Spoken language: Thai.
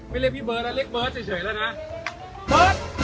เรียกพี่เบิร์ตนะเรียกเบิร์ตเฉยแล้วนะ